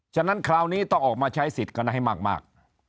ฉะนั้นคราวนี้ต้องออกมาใช้สิทธิ์กันให้มาก